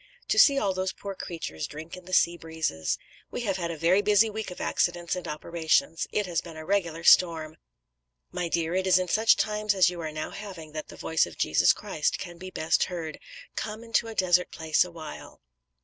To see all those poor creatures drink in the sea breezes! We have had a very busy week of accidents and operations. It has been a regular storm.[A] My dear, it is in such times as you are now having that the voice of Jesus Christ can be best heard, "Come into a desert place awhile."